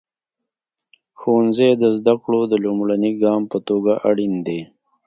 ښوونځی د زده کړو د لومړني ګام په توګه اړین دی.